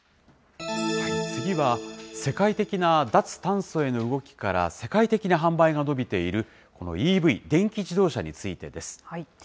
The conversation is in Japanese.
次は世界的な脱炭素への動きから、世界的に販売が伸びている、このＥＶ・電気自動車についてです。